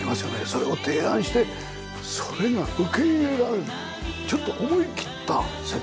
それを提案してそれが受け入れられたちょっと思い切った設計ですよね。